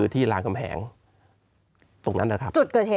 ทางกำแหงตรงนั้นแหละครับ